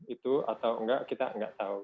itu atau enggak kita nggak tahu